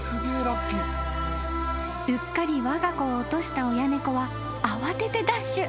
［うっかりわが子を落とした親猫は慌ててダッシュ］